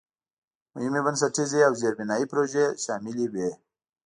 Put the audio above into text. مهمې بنسټیزې او زېربنایي پروژې شاملې وې.